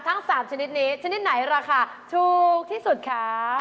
ทั้ง๓ชนิดนี้ชนิดไหนราคาถูกที่สุดคะ